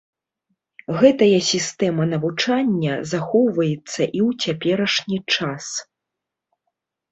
Гэтая сістэма навучання захоўваецца і ў цяперашні час.